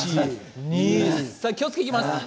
気をつけ、いきます。